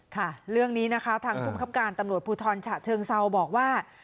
ค่ะเรื่องนี้นะคะทางภูมิครับการตำรวจภูทรฉะเชิงเซาบอกว่า